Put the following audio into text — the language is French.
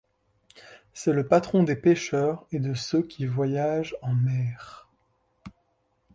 C'est le patron des pêcheurs et de ceux qui voyagent en mer.